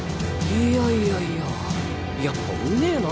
いやいやいややっぱうめぇな。